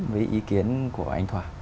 với ý kiến của anh thỏa